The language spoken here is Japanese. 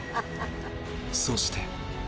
そして。